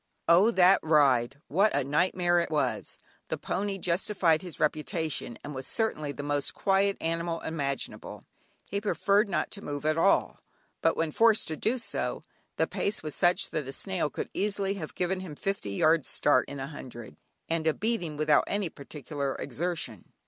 Oh! that ride what a nightmare it was! The pony justified his reputation, and was certainly the most quiet animal imaginable. He preferred not to move at all, but when forced to do so, the pace was such that a snail could easily have given him fifty yards start in a hundred, and a beating, without any particular exertion.